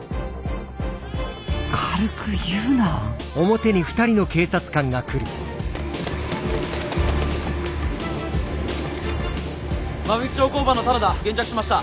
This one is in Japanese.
軽く言うな馬引町交番の棚田現着しました。